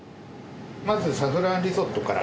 まずサフランリゾットから。